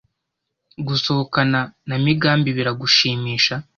Gusohokana na Migambi biragushimisha?